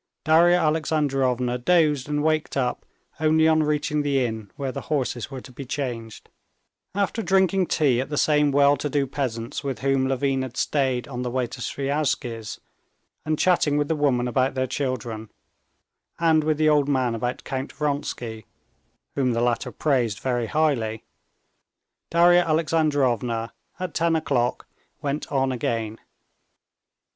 Darya Alexandrovna dozed and waked up only on reaching the inn where the horses were to be changed. After drinking tea at the same well to do peasant's with whom Levin had stayed on the way to Sviazhsky's, and chatting with the women about their children, and with the old man about Count Vronsky, whom the latter praised very highly, Darya Alexandrovna, at ten o'clock, went on again.